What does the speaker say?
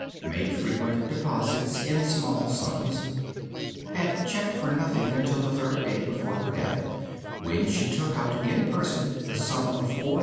Made frequent deposits in small sums. Had checked for nothing until the third day before her death, when she took out in person the sum of 4000 francs.